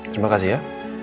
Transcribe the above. terima kasih ya